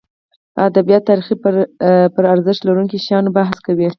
ادبیات تاریخ پرارزښت لرونکو شیانو بحث کوي.